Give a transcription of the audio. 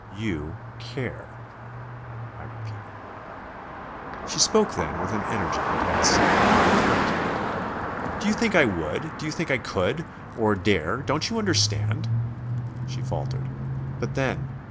"You care," I repeated. She spoke then with an energy that had something of a threat in it. "Do you think I would? Do you think I could?... or dare? Don't you understand?" She faltered "but then...."